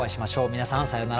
皆さんさようなら。